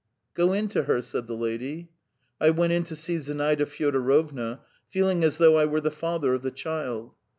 "Go in to her," said the lady. I went in to see Zinaida Fyodorovna, feeling as though I were the father of the child.